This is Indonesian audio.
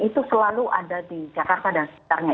itu selalu ada di jakarta dan sekitarnya